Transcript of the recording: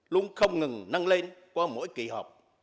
luôn không ngừng năng lên qua mỗi kỳ họp